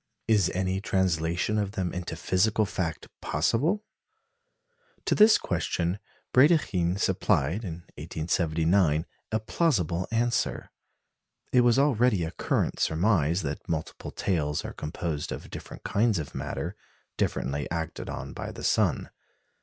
Is any translation of them into physical fact possible? To this question Brédikhine supplied, in 1879, a plausible answer. It was already a current surmise that multiple tails are composed of different kinds of matter, differently acted on by the sun.